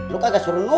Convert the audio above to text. lu kagak suruh nunggu